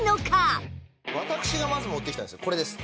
私がまず持ってきたのはこれです。